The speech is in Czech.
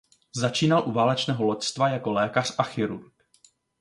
Začínal u válečného loďstva jako lékař a chirurg.